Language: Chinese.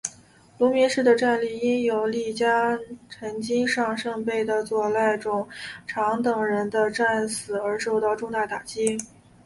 芦名氏的战力因有力家臣金上盛备和佐濑种常等人的战死而受到重大打击。